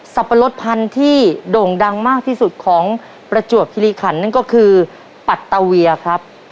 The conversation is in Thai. ปะรดพันธุ์ที่โด่งดังมากที่สุดของประจวบคิริขันนั่นก็คือปัตตาเวียครับ